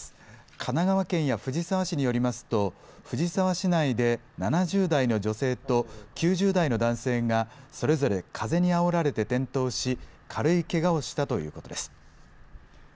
神奈川県や藤沢市によりますと藤沢市内で７０代の女性と９０代の男性がそれぞれ風にあおられて転倒し、軽いけがをしたということです。